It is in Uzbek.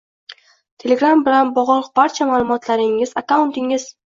Telegram bilan bog’liq barcha ma’lumotlaringiz akkauntingiz